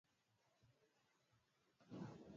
wana pointi thelathini na nane hii leo inter milan